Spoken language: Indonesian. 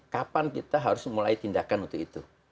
kapan kita harus memulai tindakan untuk itu